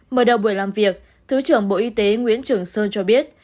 mở đầu buổi làm việc thứ trưởng bộ y tế nguyễn trường sơn cho biết